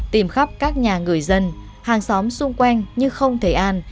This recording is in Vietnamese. tìm khắp các nhà người dân hàng xóm xung quanh như không thấy an